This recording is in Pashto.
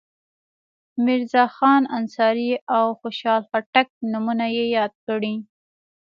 میرزاخان انصاري او خوشحال خټک نومونه یې یاد کړي.